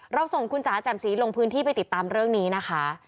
ส่งคุณจ๋าแจ่มสีลงพื้นที่ไปติดตามเรื่องนี้นะคะ